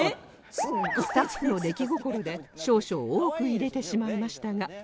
スタッフの出来心で少々多く入れてしまいましたが